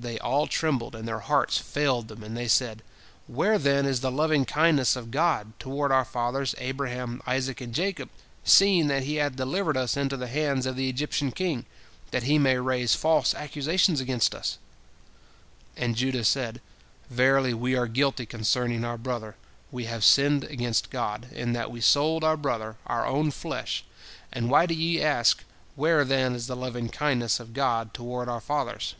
They all trembled, and their hearts failed them, and they said, "Where, then, is the lovingkindness of God toward our fathers Abraham, Isaac, and Jacob, seeing that He hath delivered us into the hands of the Egyptian king, that he may raise false accusations against us?" And Judah said, "Verily, we are guilty concerning our brother, we have sinned against God, in that we sold our brother, our own flesh, and why do ye ask, Where, then, is the lovingkindness of God toward our fathers?"